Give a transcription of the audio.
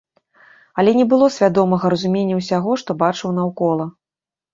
Але не было свядомага разумення ўсяго, што бачыў наўкола.